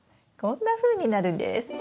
こんなふうになるんです。